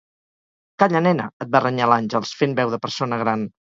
Calla, nena! –et va renyar l'Àngels, fent veu de persona gran.